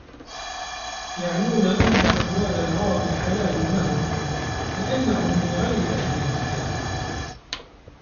يَعْنُونَ أَنَّ أَمْوَالَ الْعَرَبِ حَلَالٌ لَهُمْ ؛ لِأَنَّهُمْ مِنْ غَيْرِ أَهْلِ الْكِتَابِ